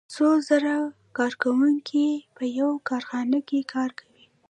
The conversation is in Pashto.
څو زره کارکوونکي په یوه کارخانه کې کار کوي